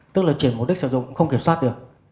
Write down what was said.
tức là chuyển mục đích sử dụng không kiểm soát được